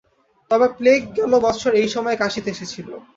তবে প্লেগ গেল বৎসর এই সময়ে কাশীতে এসেছিল।